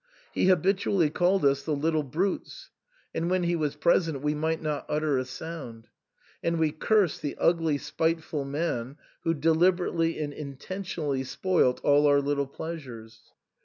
He habitually called us the "little brutes ;*' and when he was present we might not utter a sound ; and we cursed the ugly spiteful man who deliberately and intentionally spoilt all our little pleas ures.